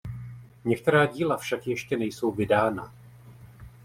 Některá díla však ještě nejsou vydána.